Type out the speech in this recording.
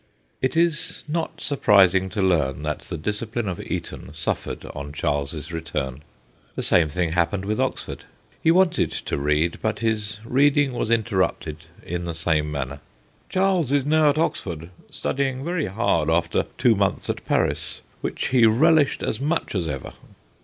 It is not surprising to learn that the discipline of Eton suffered on Charles's return. The same thing happened with Oxford. He wanted to read, but his reading was interrupted in the same manner. ' Charles is now at Oxford, studying very hard, after two months at Paris, which he relished as much as ever.